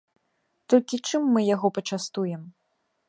Толькі чым мы яго пачастуем?